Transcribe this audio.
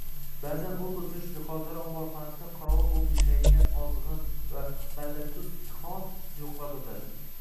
Baʼzan oʻt oʻchirish jihozlari omborxonasida qorovul boʻlib ishlaydigan ozgʻin va mallatus Tixon yoʻqlab oʻtadi.